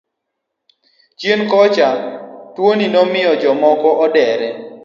Chien kocha tuoni nomiyo jomoko odere.